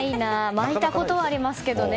巻いたことはありますけどね